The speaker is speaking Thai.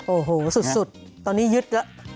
โอ้โหสุดตอนนี้ยึดแล้ว